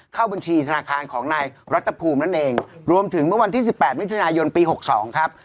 เข้าบัญชีธนาคารของนายรัฐภูมินั่นเองรวมถึงเมื่อวันที่สิบแปดมิถุนายนปีหกสองครับ